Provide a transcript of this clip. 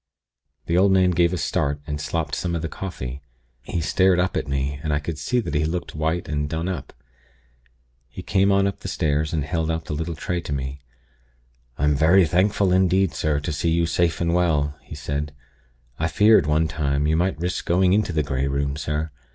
"The old man gave a start, and slopped some of the coffee. He stared up at me, and I could see that he looked white and done up. He came on up the stairs, and held out the little tray to me. 'I'm very thankful indeed, sir, to see you safe and well,' he said. 'I feared, one time, you might risk going into the Grey Room, sir.